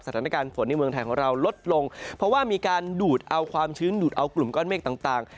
สถานการณ์ฝนในเมืองไทยของเราลดลงเพราะว่ามีการดูดเอาความชื้นดูดเอากลุ่มก้อนเมฆต่าง